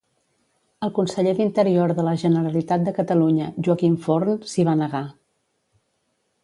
El conseller d'Interior de la Generalitat de Catalunya, Joaquim Forn, s'hi va negar.